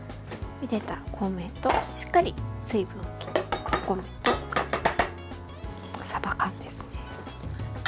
ゆでたお米としっかり水分を切ったお米とさば缶ですね。